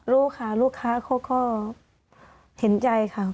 รู้ค่ะลูกค้าเขาก็เห็นใจค่ะ